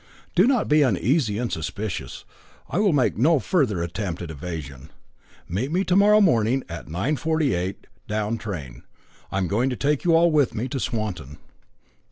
Do not be uneasy and suspicious; I will make no further attempt at evasion. Meet me to morrow morning at the 9.48 down train. I am going to take you all with me to Swanton."